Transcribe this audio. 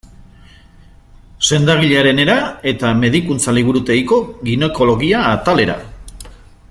Sendagilearenera eta medikuntza-liburutegiko ginekologia atalera.